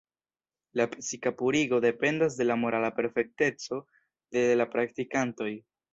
La psika purigo dependas de la morala perfekteco de de la praktikantoj.